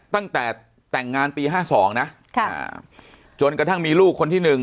ตั้งแต่แต่งงานปีห้าสองนะค่ะจนกระทั่งมีลูกคนที่หนึ่ง